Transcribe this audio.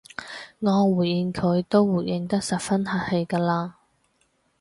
我回應佢都回應得十分客氣㗎喇